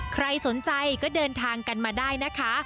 ใครสนใจก็เดินทางกันมาได้นะคะ